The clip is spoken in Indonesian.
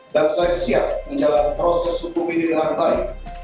dan saya siap menjalani proses hukum ini dengan baik